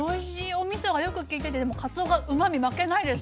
おみそがよくきいててでもかつおがうまみ負けないです。